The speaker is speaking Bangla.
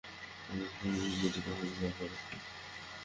নৃপ-নীরু যদি পছন্দ না করে?